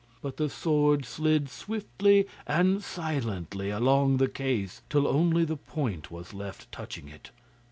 But the sword slid swiftly and silently along the case till only the point was left touching it.